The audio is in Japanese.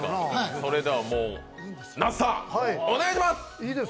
それでは、那須さん、お願いします！